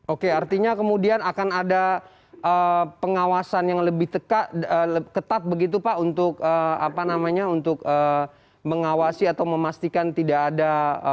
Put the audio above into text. oke artinya kemudian akan ada pengawasan yang lebih ketat begitu pak untuk mengawasi atau memastikan tidak ada